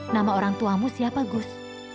nama orang tuamu siapa gus